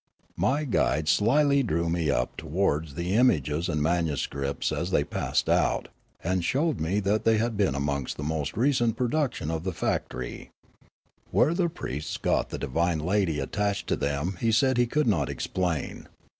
My guide slily drew me up towards the images and manuscript as they passed out, and showed me that 234 Riallaro they had been amongst the most recent production of the factor5\ Where the priests got the divine lady at tached to them, he said he could not explain.